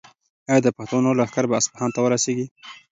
ایا د پښتنو لښکر به اصفهان ته ورسیږي؟